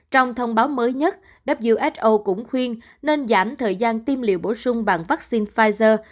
trong thông báo mới nhất who cũng khuyên nên giảm thời gian tiêm liều bổ sung bằng vaccine pfizer